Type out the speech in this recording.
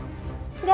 gak ada cara lain